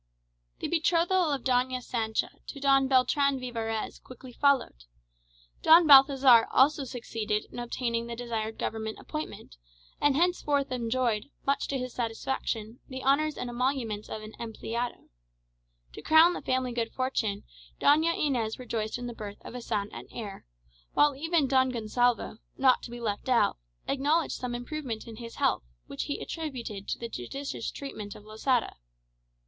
The betrothal of Doña Sancha to Don Beltran Vivarez quickly followed. Don Balthazar also succeeded in obtaining the desired Government appointment, and henceforth enjoyed, much to his satisfaction, the honours and emoluments of an "empleado." To crown the family good fortune, Doña Inez rejoiced in the birth of a son and heir; while even Don Gonsalvo, not to be left out, acknowledged some improvement in his health, which he attributed to the judicious treatment of Losada.